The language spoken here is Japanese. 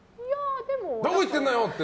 どこ行ってるのよって